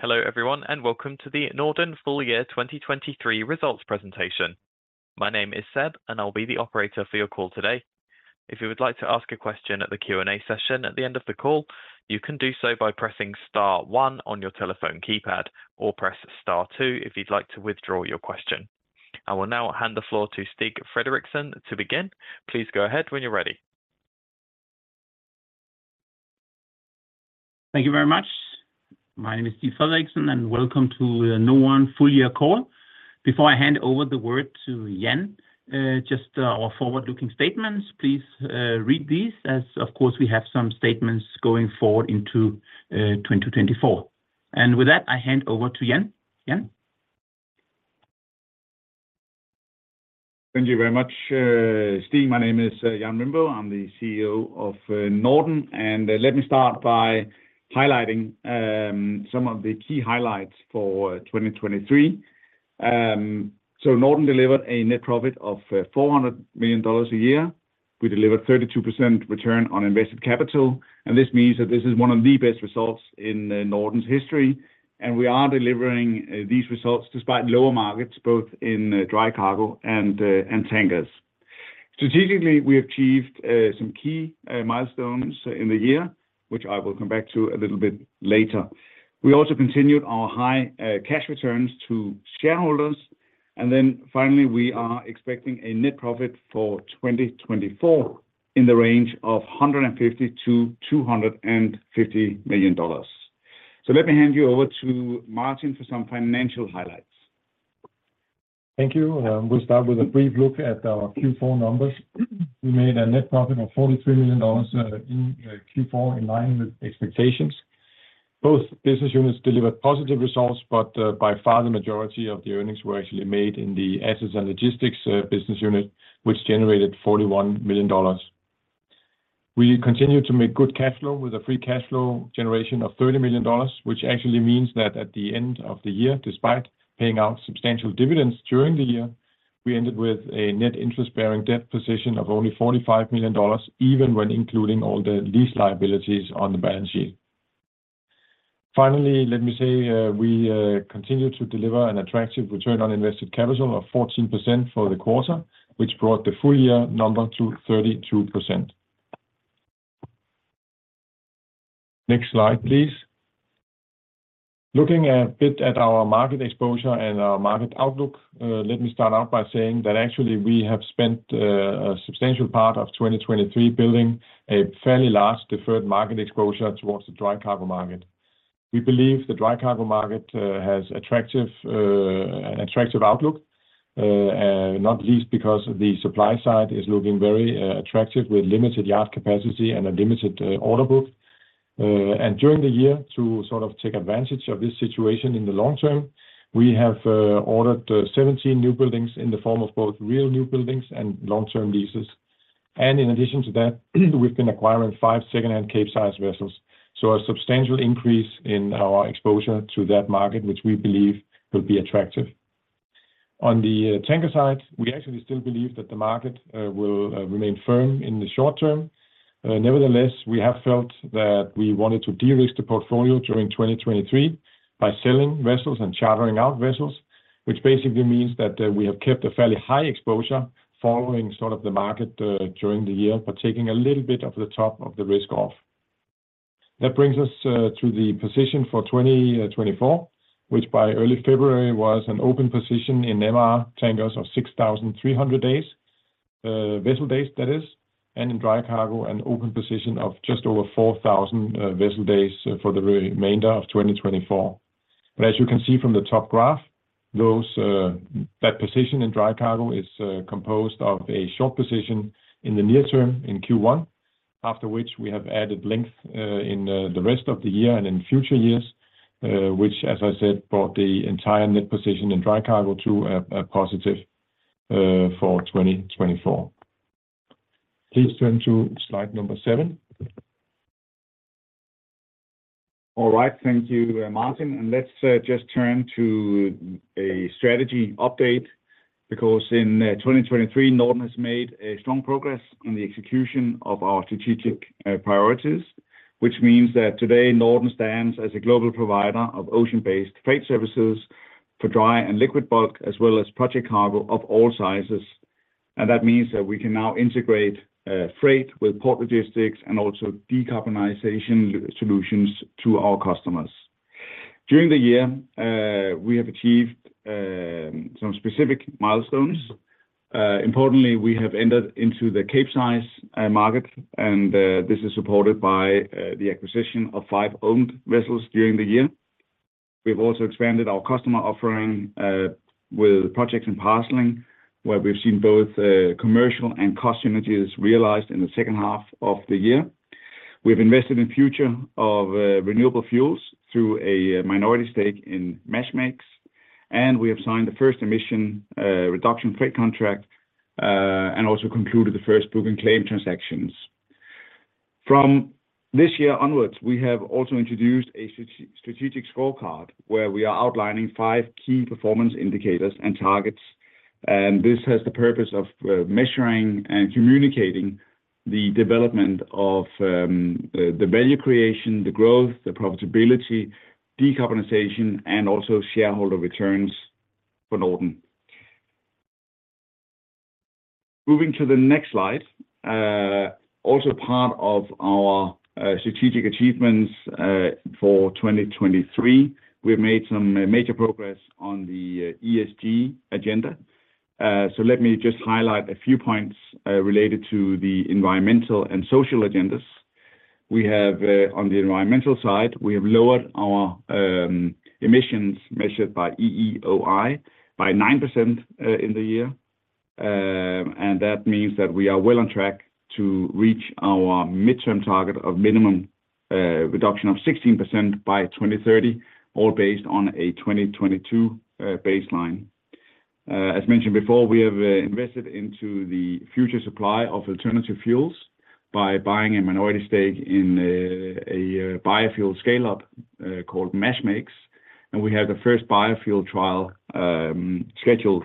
Hello, everyone, and welcome to the NORDEN Full Year 2023 results presentation. My name is Seb, and I'll be the operator for your call today. If you would like to ask a question at the Q&A session at the end of the call, you can do so by pressing star one on your telephone keypad, or press star two if you'd like to withdraw your question. I will now hand the floor to Stig Frederiksen to begin. Please go ahead when you're ready. Thank you very much. My name is Stig Frederiksen, and welcome to the NORDEN Full Year call. Before I hand over the word to Jan, just our forward-looking statements, please, read these, as, of course, we have some statements going forward into 2024. With that, I hand over to Jan. Jan? Thank you very much, Stig. My name is Jan Rindbo. I'm the CEO of NORDEN, and let me start by highlighting some of the key highlights for 2023. So NORDEN delivered a net profit of $400 million a year. We delivered 32% return on invested capital, and this means that this is one of the best results in NORDEN's history, and we are delivering these results despite lower markets, both in dry cargo and tankers. Strategically, we achieved some key milestones in the year, which I will come back to a little bit later. We also continued our high cash returns to shareholders, and then finally, we are expecting a net profit for 2024 in the range of $150 million-$250 million. Let me hand you over to Martin for some financial highlights. Thank you. We'll start with a brief look at our Q4 numbers. We made a net profit of $43 million in Q4, in line with expectations. Both business units delivered positive results, but by far, the majority of the earnings were actually made in the Assets and Logistics business unit, which generated $41 million. We continued to make good cash flow with a free cash flow generation of $30 million, which actually means that at the end of the year, despite paying out substantial dividends during the year, we ended with a net interest-bearing debt position of only $45 million, even when including all the lease liabilities on the balance sheet. Finally, let me say, we continued to deliver an attractive return on invested capital of 14% for the quarter, which brought the full year number to 32%. Next slide, please. Looking a bit at our market exposure and our market outlook, let me start out by saying that actually, we have spent a substantial part of 2023 building a fairly large deferred market exposure towards the dry cargo market. We believe the dry cargo market has attractive outlook, not least because the supply side is looking very attractive, with limited yard capacity and a limited order book. And during the year, to sort of take advantage of this situation in the long term, we have ordered 17 new buildings in the form of both real new buildings and long-term leases. And in addition to that, we've been acquiring five second-hand Capesize vessels, so a substantial increase in our exposure to that market, which we believe will be attractive. On the tanker side, we actually still believe that the market will remain firm in the short term. Nevertheless, we have felt that we wanted to de-risk the portfolio during 2023 by selling vessels and chartering out vessels, which basically means that we have kept a fairly high exposure following sort of the market during the year, but taking a little bit of the top of the risk off. That brings us to the position for 2024, which by early February was an open position in MR tankers of 6,300 days, vessel days, that is, and in dry cargo, an open position of just over 4,000 vessel days for the remainder of 2024. As you can see from the top graph, that position in dry cargo is composed of a short position in the near term in Q1, after which we have added length in the rest of the year and in future years, which, as I said, brought the entire net position in dry cargo to a positive for 2024. Please turn to slide number seven. All right. Thank you, Martin, and let's just turn to a strategy update, because in 2023, Norden has made a strong progress in the execution of our strategic priorities, which means that today, Norden stands as a global provider of ocean-based freight services for dry and liquid bulk, as well as project cargo of all sizes. And that means that we can now integrate freight with port logistics and also decarbonization solutions to our customers. During the year, we have achieved some specific milestones. Importantly, we have entered into the Capesize market, and this is supported by the acquisition of five owned vessels during the year. We've also expanded our customer offering with projects in parceling, where we've seen both commercial and cost synergies realized in the second half of the year. We've invested in the future of renewable fuels through a minority stake in Mash Makes, and we have signed the first emission reduction freight contract and also concluded the first proven claim transactions. From this year onwards, we have also introduced a strategic scorecard, where we are outlining five key performance indicators and targets. This has the purpose of measuring and communicating the development of the value creation, the growth, the profitability, decarbonization, and also shareholder returns for NORDEN. Moving to the next slide, also part of our strategic achievements for 2023, we have made some major progress on the ESG agenda. So let me just highlight a few points related to the environmental and social agendas. We have, on the environmental side, we have lowered our emissions, measured by EEOI, by 9% in the year. That means that we are well on track to reach our midterm target of minimum reduction of 16% by 2030, all based on a 2022 baseline. As mentioned before, we have invested into the future supply of alternative fuels by buying a minority stake in a biofuel scale-up called Mash Makes, and we have the first biofuel trial scheduled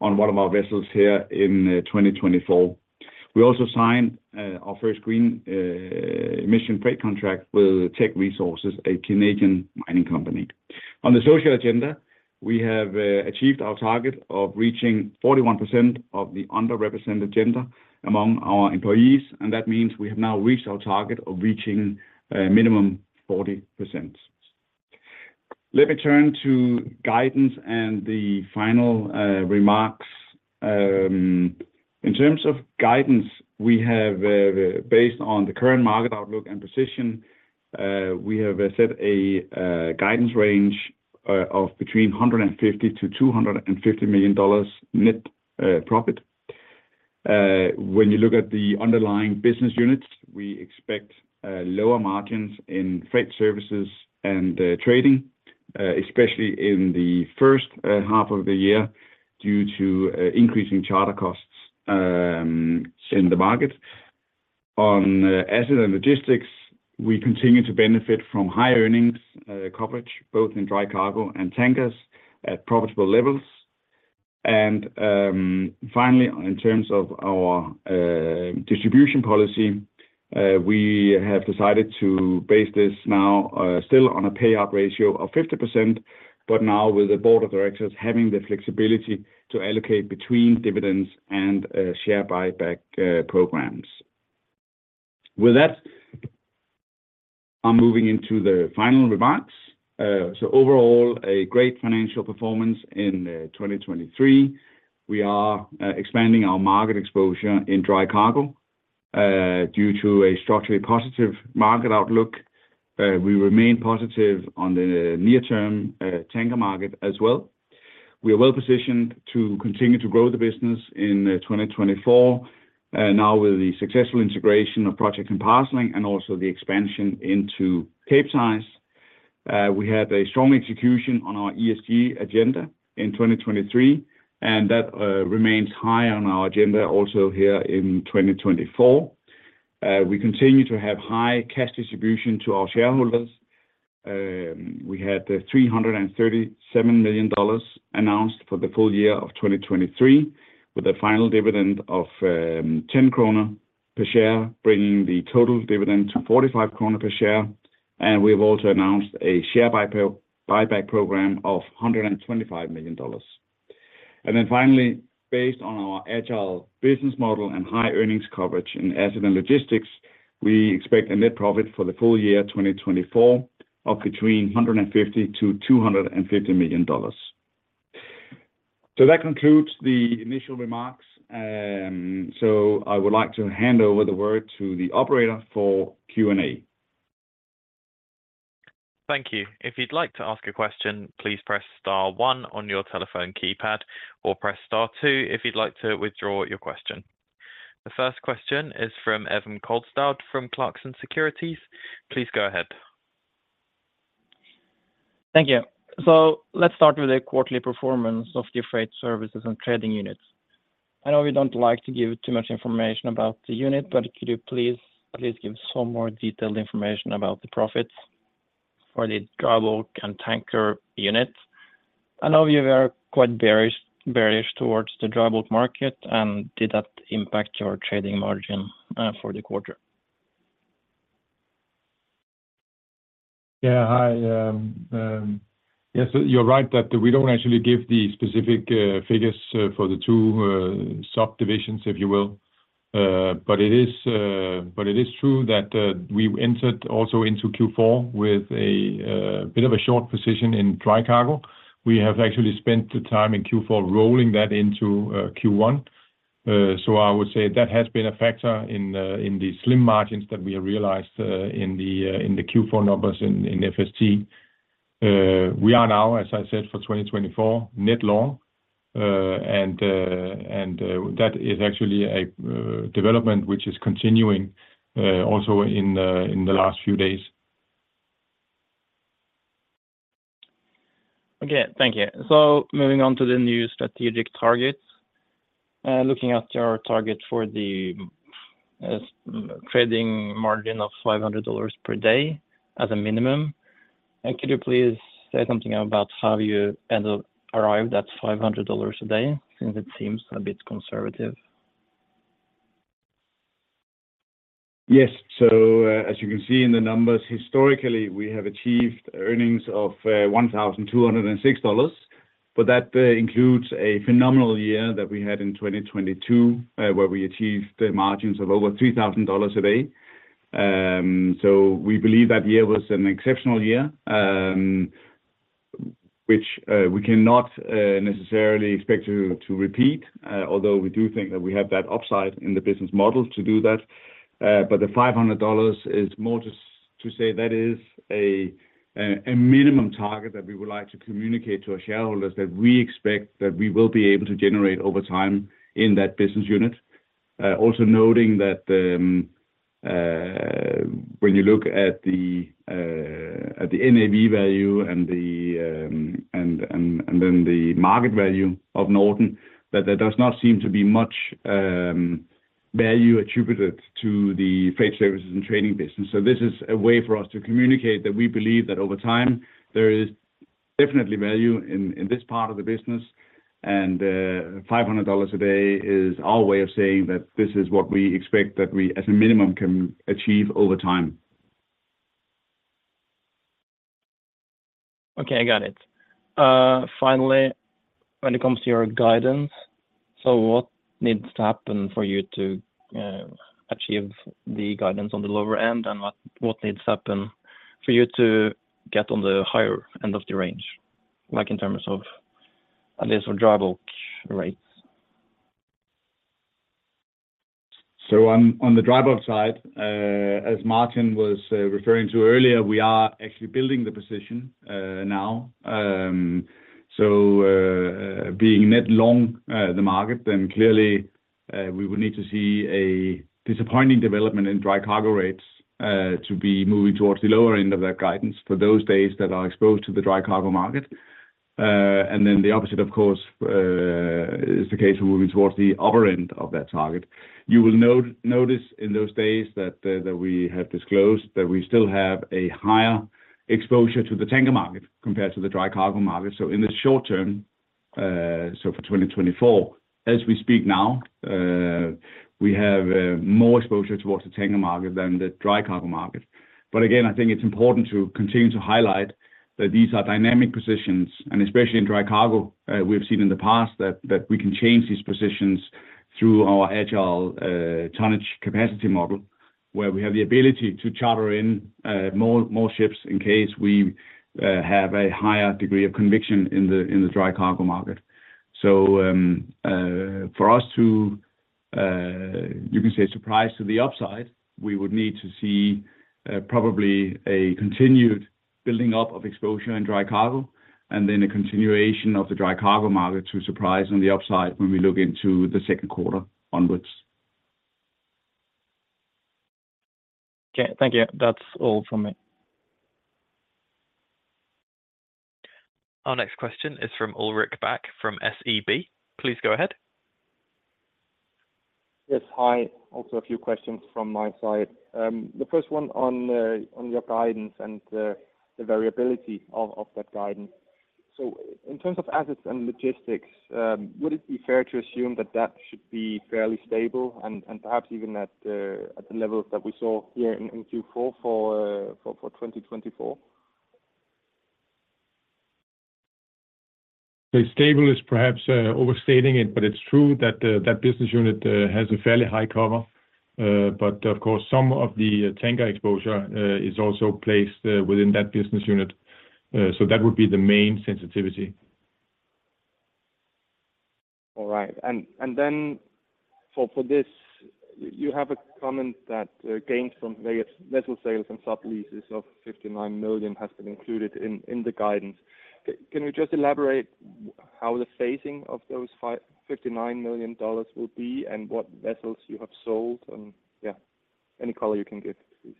on one of our vessels here in 2024. We also signed our first green emission freight contract with Teck Resources, a Canadian mining company. On the social agenda, we have achieved our target of reaching 41% of the underrepresented gender among our employees, and that means we have now reached our target of reaching a minimum 40%. Let me turn to guidance and the final remarks. In terms of guidance, we have, based on the current market outlook and position, we have set a guidance range of $150 million-$250 million net profit. When you look at the underlying business units, we expect lower margins in Freight Services and Trading, especially in the first half of the year, due to increasing charter costs in the market. On Assets and Logistics, we continue to benefit from high earnings coverage, both in dry cargo and tankers at profitable levels. Finally, in terms of our distribution policy, we have decided to base this now, still on a payout ratio of 50%, but now with the board of directors having the flexibility to allocate between dividends and share buyback programs. With that, I'm moving into the final remarks. Overall, a great financial performance in 2023. We are expanding our market exposure in dry cargo due to a structurally positive market outlook. We remain positive on the near-term tanker market as well. We are well positioned to continue to grow the business in 2024, now with the successful integration of Project Compass Link and also the expansion into Capesize. We had a strong execution on our ESG agenda in 2023, and that remains high on our agenda also here in 2024. We continue to have high cash distribution to our shareholders. We had $337 million announced for the full year of 2023, with a final dividend of 10 kroner per share, bringing the total dividend to 45 kroner per share. We've also announced a share buyback, buyback program of $125 million. Then finally, based on our agile business model and high earnings coverage in asset and logistics, we expect a net profit for the full year 2024 of between $150 million-$250 million. So that concludes the initial remarks, so I would like to hand over the word to the operator for Q&A.. Thank you. If you'd like to ask a question, please press star one on your telephone keypad, or press star two if you'd like to withdraw your question. The first question is from Evan Coldstout from Clarksons Securities. Please go ahead. Thank you. So let's start with the quarterly performance of the freight services and trading units. I know we don't like to give too much information about the unit, but could you please, please give some more detailed information about the profits for the dry bulk and tanker units? I know you are quite bearish, bearish towards the dry bulk market. Did that impact your trading margin for the quarter? Yeah, hi. Yes, you're right that we don't actually give the specific figures for the two subdivisions, if you will. But it is true that we entered also into Q4 with a bit of a short position in dry cargo. We have actually spent the time in Q4 rolling that into Q1. So I would say that has been a factor in the slim margins that we have realized in the Q4 numbers in FST. We are now, as I said, for 2024, net long, and that is actually a development which is continuing also in the last few days. Okay, thank you. So moving on to the new strategic targets. Looking at your target for the trading margin of $500 per day as a minimum, could you please say something about how you end up arrived at $500 a day? Since it seems a bit conservative. Yes. So, as you can see in the numbers, historically, we have achieved earnings of $1,206, but that includes a phenomenal year that we had in 2022, where we achieved margins of over $3,000 a day. So we believe that year was an exceptional year, which we cannot necessarily expect to repeat, although we do think that we have that upside in the business model to do that. But the $500 is more just to say that is a minimum target that we would like to communicate to our shareholders, that we expect that we will be able to generate over time in that business unit. Also noting that when you look at the NAV value and then the market value of Norden, that there does not seem to be much value attributed to the freight services and trading business. So this is a way for us to communicate that we believe that over time, there is definitely value in this part of the business, and $500 a day is our way of saying that this is what we expect that we, as a minimum, can achieve over time. Okay, I got it. Finally, when it comes to your guidance, so what needs to happen for you to achieve the guidance on the lower end? And what needs to happen for you to get on the higher end of the range, like in terms of at least for dry bulk rates? So on, on the dry bulk side, as Martin was referring to earlier, we are actually building the position now. So, being net long the market, then clearly we would need to see a disappointing development in dry cargo rates to be moving towards the lower end of that guidance for those days that are exposed to the dry cargo market. And then the opposite, of course, is the case of moving towards the upper end of that target. You will notice in those days that we have disclosed that we still have a higher exposure to the tanker market compared to the dry cargo market. So in the short term, so for 2024, as we speak now, we have more exposure towards the tanker market than the dry cargo market. But again, I think it's important to continue to highlight that these are dynamic positions, and especially in dry cargo, we've seen in the past that we can change these positions through our agile tonnage capacity model, where we have the ability to charter in more ships in case we have a higher degree of conviction in the dry cargo market. So, for us to, you can say, surprise to the upside, we would need to see probably a continued building up of exposure in dry cargo, and then a continuation of the dry cargo market to surprise on the upside when we look into the second quarter onwards. Okay, thank you. That's all from me. Our next question is from Ulrik Bak from SEB. Please go ahead. Yes, hi. Also a few questions from my side. The first one on your guidance and the variability of that guidance. So in terms of Assets & Logistics, would it be fair to assume that that should be fairly stable and perhaps even at the levels that we saw here in Q4 for 2024? So stable is perhaps overstating it, but it's true that the business unit has a fairly high cover. But of course, some of the tanker exposure is also placed within that business unit. So that would be the main sensitivity. All right. And, and then for, for this, you have a comment that, gains from vessel sales and subleases of $59 million has been included in, in the guidance. Can you just elaborate how the phasing of those $59 million dollars will be and what vessels you have sold, and yeah, any color you can give, please?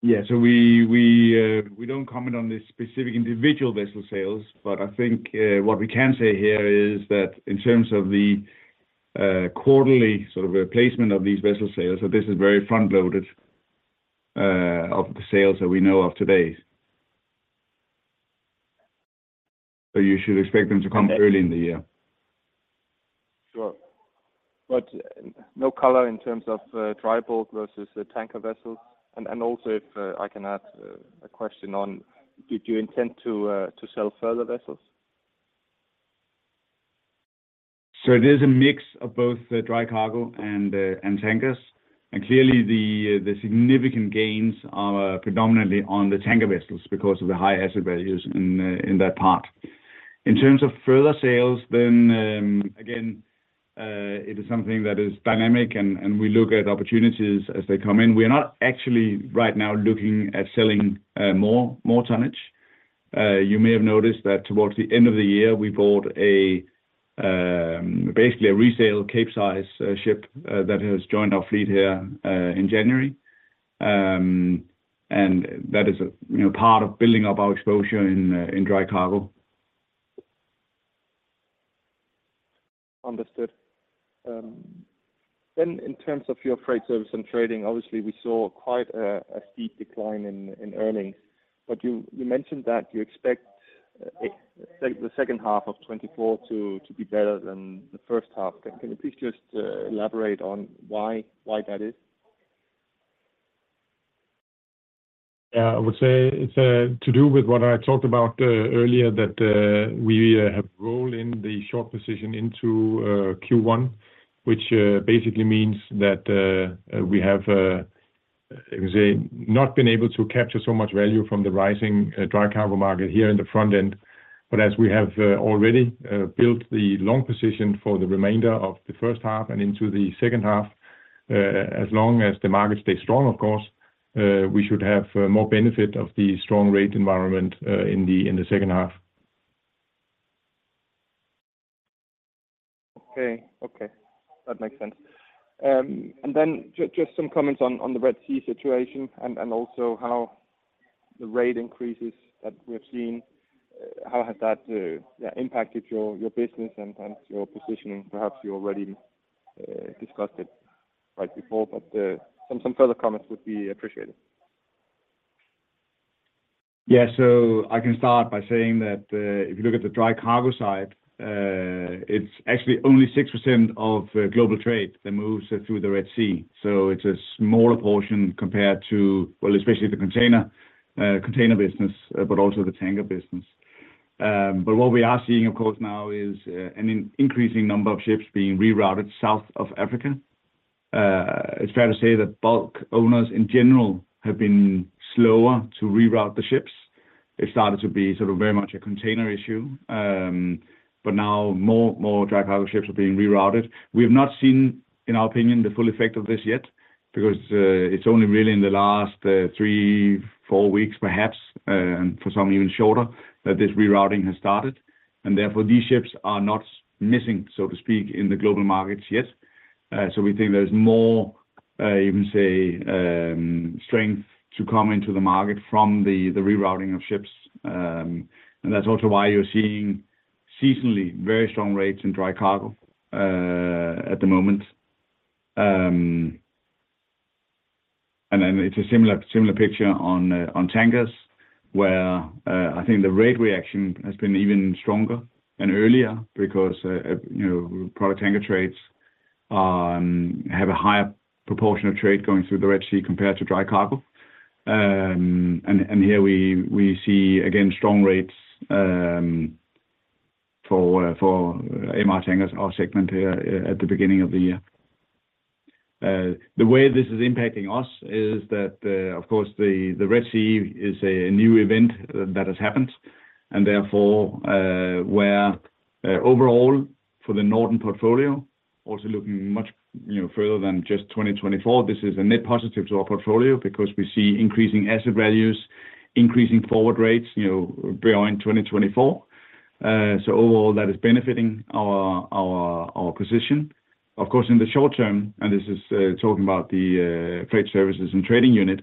Yeah. So we don't comment on the specific individual vessel sales, but I think what we can say here is that in terms of the quarterly sort of replacement of these vessel sales, so this is very front-loaded of the sales that we know of today. So you should expect them to come early in the year. Sure. But no color in terms of dry bulk versus the tanker vessels? And also, if I can add a question on, did you intend to sell further vessels? So it is a mix of both the dry cargo and tankers. And clearly, the significant gains are predominantly on the tanker vessels because of the high asset values in that part. In terms of further sales, then, again, it is something that is dynamic, and we look at opportunities as they come in. We are not actually right now looking at selling more tonnage. You may have noticed that towards the end of the year, we bought a basically a resale Capesize ship that has joined our fleet here in January. And that is, you know, part of building up our exposure in dry cargo. Understood. Then in terms of your freight service and trading, obviously, we saw quite a steep decline in earnings. But you mentioned that you expect, like the second half of 2024 to be better than the first half. Can you please just elaborate on why that is? Yeah, I would say it's to do with what I talked about earlier, that we have rolled in the short position into Q1, which basically means that we have, let me say, not been able to capture so much value from the rising dry cargo market here in the front end. But as we have already built the long position for the remainder of the first half and into the second half, as long as the market stays strong, of course, we should have more benefit of the strong rate environment in the second half. Okay. Okay, that makes sense. And then just some comments on the Red Sea situation, and also how the rate increases that we've seen, how has that impacted your business and your positioning? Perhaps you already discussed it right before, but some further comments would be appreciated. Yeah. So I can start by saying that, if you look at the dry cargo side, it's actually only 6% of global trade that moves through the Red Sea. So it's a smaller portion compared to... well, especially the container, container business, but also the tanker business. But what we are seeing, of course, now is an increasing number of ships being rerouted south of Africa. It's fair to say that bulk owners in general have been slower to reroute the ships. It started to be sort of very much a container issue, but now more, more dry cargo ships are being rerouted. We have not seen, in our opinion, the full effect of this yet because it's only really in the last 3, 4 weeks, perhaps, and for some even shorter, that this rerouting has started, and therefore, these ships are not missing, so to speak, in the global markets yet. So we think there's more you can say strength to come into the market from the rerouting of ships. And that's also why you're seeing seasonally very strong rates in dry cargo at the moment. And then it's a similar, similar picture on tankers, where I think the rate reaction has been even stronger and earlier because you know, product tanker trades have a higher proportion of trade going through the Red Sea compared to dry cargo. And here we see, again, strong rates for MR tankers, our segment, at the beginning of the year. The way this is impacting us is that, of course, the Red Sea is a new event that has happened, and therefore, where overall for the Norden portfolio, also looking much, you know, further than just 2024, this is a net positive to our portfolio because we see increasing asset values, increasing forward rates, you know, beyond 2024. So overall, that is benefiting our position. Of course, in the short term, and this is, talking about the, Freight Services and Trading unit,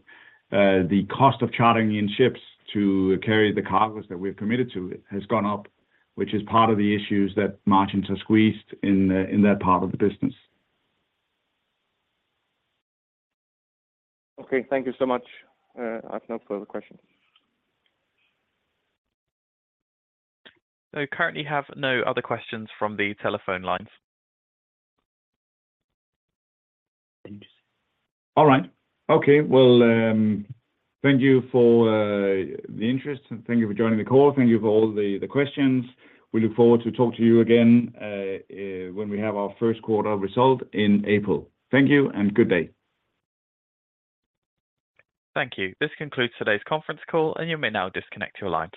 the cost of chartering in ships to carry the cargoes that we've committed to has gone up, which is part of the issues that margins are squeezed in, in that part of the business. Okay, thank you so much. I've no further questions. I currently have no other questions from the telephone lines. All right. Okay, well, thank you for the interest, and thank you for joining the call. Thank you for all the questions. We look forward to talk to you again, when we have our first quarter result in April. Thank you and good day. Thank you. This concludes today's conference call, and you may now disconnect your lines.